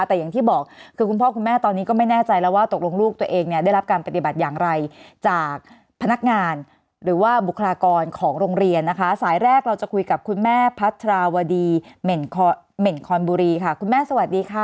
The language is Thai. แต่อย่างที่บอกคือคุณพ่อคุณแม่ตอนนี้ก็ไม่แน่ใจแล้วว่าตกลงลูกตัวเองเนี่ยได้รับการปฏิบัติอย่างไรจากพนักงานหรือว่าบุคลากรของโรงเรียนนะคะสายแรกเราจะคุยกับคุณแม่พัทราวดีเหม็นคอนบุรีค่ะคุณแม่สวัสดีค่ะ